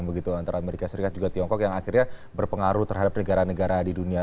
begitu antara amerika serikat juga tiongkok yang akhirnya berpengaruh terhadap negara negara di dunia